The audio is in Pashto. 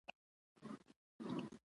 په افغانستان کې د ځمکه منابع شته.